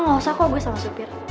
gak usah kok gue sama supir